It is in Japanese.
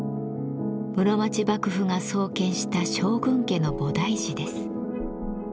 室町幕府が創建した将軍家の菩提寺です。